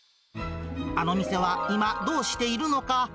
あの店は今どうしているのか。